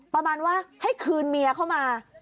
ประมาณว่าให้คืนเมียเข้ามา